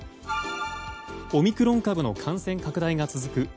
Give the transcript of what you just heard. オミクロン株の感染拡大が続く